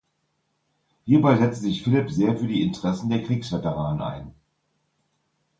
Hierbei setzte sich Philipp sehr für die Interessen der Kriegsveteranen ein.